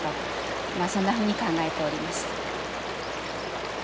まあそんなふうに考えております。